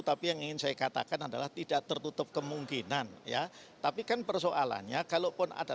tapi yang ingin saya katakan adalah tidak tertutup kemungkinan ya tapi kan persoalannya kalaupun ada